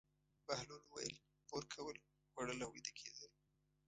بهلول وویل: پور کول، خوړل او ویده کېدل.